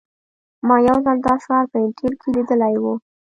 ما یو ځل دا شعار په انټیل کې لیدلی و